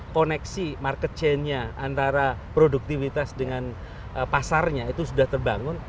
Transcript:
koneksi market chainnya antara produktivitas dengan pasarnya itu sudah terbangun